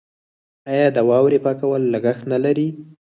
آیا د واورې پاکول لګښت نلري؟